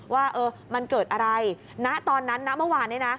ว่ามันเกิดอะไรณตอนนั้นณเมื่อวานนี้นะ